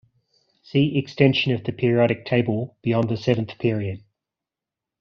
See Extension of the periodic table beyond the seventh period.